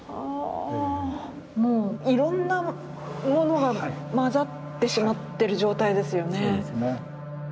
ああもういろんなものがまざってしまってる状態ですよね。